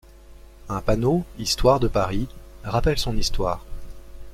Un panneau Histoire de Paris rappelle son histoire.